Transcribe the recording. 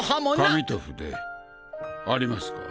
紙と筆ありますか？